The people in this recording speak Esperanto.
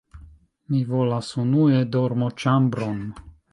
Mi volas unue dormoĉambron.